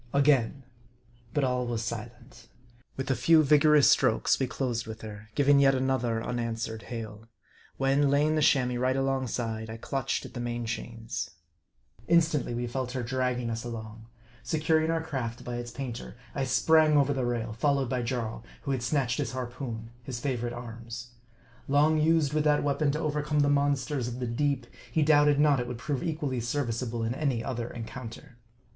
Again. But all was silent. With a few vigorous strokes, we closed with her, giving yet another unanswered hail ; when, lay ing the Chamois right alongside, I clutched at the main chains. Instantly we felt her dragging us along. Securing our craft by its painter, I sprang over the rail, followed by Jarl, who had snatched his harpoon, his favorite arms. Long used with that weapon to overcome the monsters of the deep, he doubted not it would prove equally serviceable in any other encounter.